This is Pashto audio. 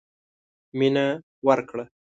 مينه ورکړه.